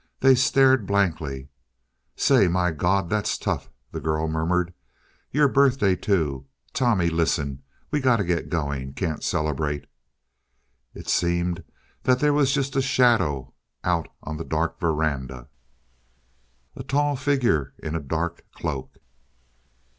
They stared blankly. "Say, my Gawd, that's tough," the girl murmured. "Your birthday too. Tommy listen, we gotta get goin' can't celebrate " It seemed that there was just a shadow out on the dark verandah. A tall figure in a dark cloak.